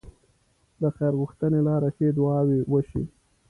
د خير غوښتنې لاره ښې دعاوې وشي.